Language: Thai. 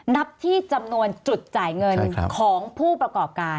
นับที่จำนวนจุดจ่ายเงินของผู้ประกอบการ